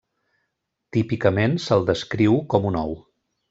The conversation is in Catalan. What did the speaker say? Típicament se'l descriu com un ou.